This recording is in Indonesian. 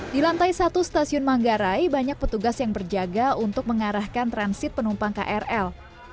di lantai satu stasiun manggarai banyak petugas yang berjaga untuk mengarahkan transit penumpang krl